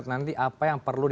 dan puncaknya di februari